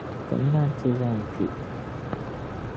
Kamina nti zani kpe.